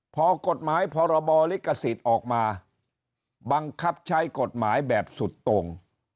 พอกฎหมายพรบลิขสิทธิ์ออกมาบังคับใช้กฎหมายแบบสุดตรง